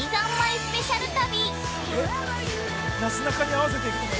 スペシャル旅。